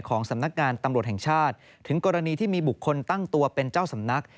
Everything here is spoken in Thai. สำนักงานตำรวจแห่งชาติถึงกรณีที่มีบุคคลตั้งตัวเป็นเจ้าสำนัก